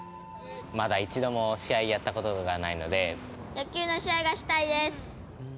まだ一度も試合やったことが野球の試合がしたいです。